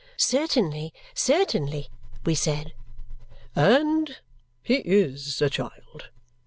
Certainly! Certainly! we said. "And he IS a child.